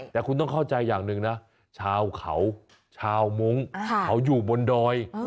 แต่คุณต้องเข้าใจอย่างหนึ่งนะชาวเขาชาวมงค์เขาอยู่บนดอย